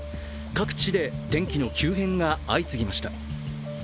各地で天気の急変が相次ぎました。